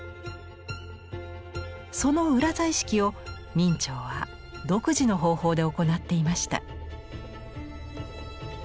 その裏彩色を明兆は独自の方法で行っていました。